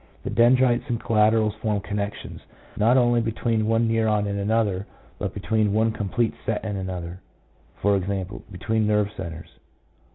The dendrites and collaterals form connections, not only between one neuron and another, but between one complete set and another — i.e., between nerve centres.